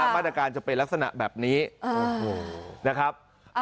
มาตรการจะเป็นลักษณะแบบนี้โอ้โหนะครับ